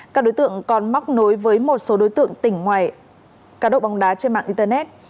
các đối tượng còn móc nối với một số đối tượng tỉnh ngoài cá độ bóng đá trên mạng internet